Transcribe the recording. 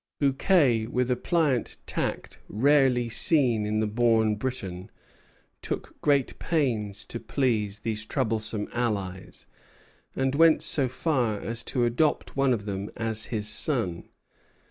Bouquet, with a pliant tact rarely seen in the born Briton, took great pains to please these troublesome allies, and went so far as to adopt one of them as his son.